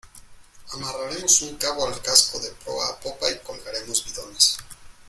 amarraremos un cabo al casco de proa a popa y colgaremos bidones